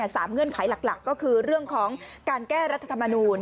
เงื่อนไขหลักก็คือเรื่องของการแก้รัฐธรรมนูล